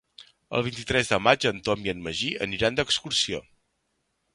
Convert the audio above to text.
El vint-i-tres de maig en Tom i en Magí aniran d'excursió.